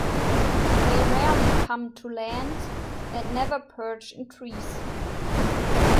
They rarely come to land and never perch in trees.